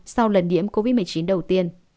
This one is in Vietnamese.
sau lần nhiễm covid một mươi chín đầu tiên